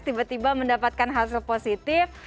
tiba tiba mendapatkan hasil positif